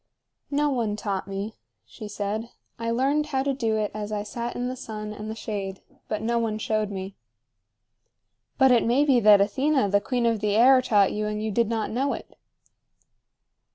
"No one taught me," she said. "I learned how to do it as I sat in the sun and the shade; but no one showed me." "But it may be that Athena, the queen of the air, taught you, and you did not know it."